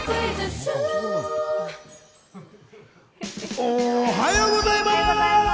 おはようございます！